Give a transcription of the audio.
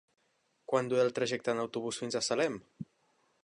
Quant dura el trajecte en autobús fins a Salem?